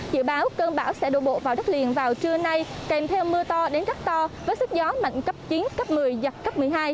dự báo cơn bão sẽ đổ bộ vào đất liền vào trưa nay kèm theo mưa to đến rất to với sức gió mạnh cấp chín cấp một mươi giật cấp một mươi hai